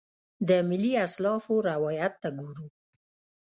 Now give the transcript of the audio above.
د ملي اسلافو روایت ته ګورو.